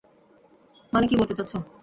মানে কি বলতে চাচ্ছ?